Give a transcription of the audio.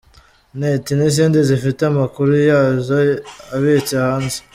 net, n’izindi zifite amakuru yazo abitse hanze.